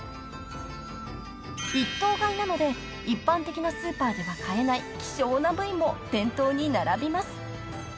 ［一頭買いなので一般的なスーパーでは買えない希少な部位も店頭に並びます］